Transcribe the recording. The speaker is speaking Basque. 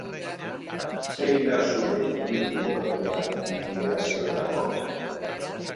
Zein da zure ibilbide-orria immigraziorako?